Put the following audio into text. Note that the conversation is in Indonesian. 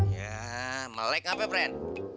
yah melek apa ren